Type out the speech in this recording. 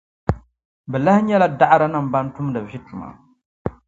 Bɛ lan nyɛla daɣirinim’ bɛn tumdi vi tuma.